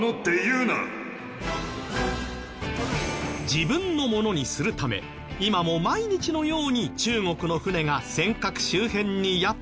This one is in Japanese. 自分のものにするため今も毎日のように中国の船が尖閣周辺にやって来てるけど。